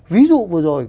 ví dụ vừa rồi